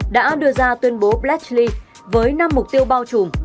đã đưa ra tuyên bố bleschly với năm mục tiêu bao trùm